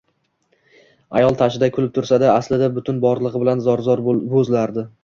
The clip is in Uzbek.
Ayol tashida kulib tursa-da, aslida butun borlig`i bilan zor-zor bo`zlardi